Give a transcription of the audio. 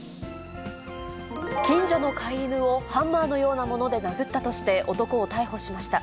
近所の飼い犬をハンマーのようなもので殴ったとして、男を逮捕しました。